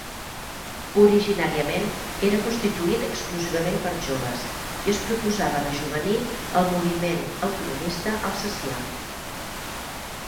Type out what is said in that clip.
Originàriament, era constituït exclusivament per joves i es proposava rejovenir el moviment autonomista alsacià.